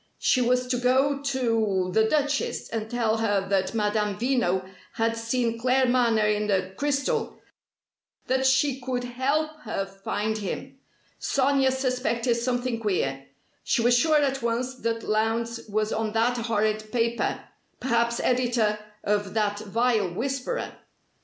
She was to go to the Duchess, and tell her that Madame Veno had seen Claremanagh in the crystal that she could help her find him. Sonia suspected something queer. She was sure at once that Lowndes was on that horrid paper perhaps editor of that vile 'Whisperer'.